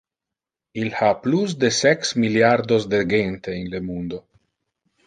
Il ha plus de sex milliardos de gente in le mundo.